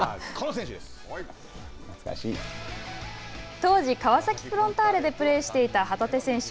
当時、川崎フロンターレでプレーしていた旗手選手。